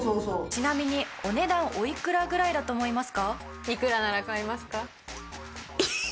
ちなみにお値段おいくらぐらいだと思いますか？